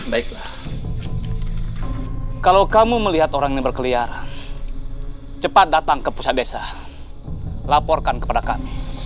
baiklah kalau kamu melihat orang ini berkeliaran cepat datang ke pusat desa laporkan kepada kami